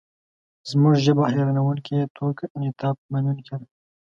زموږ ژبه حیرانوونکې توګه انعطافمنونکې ده.